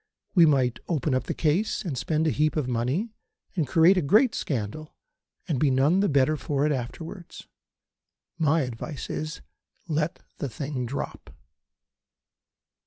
We might open up the case, and spend a heap of money, and create a great scandal, and be none the better for it afterwards. My advice is, let the thing drop."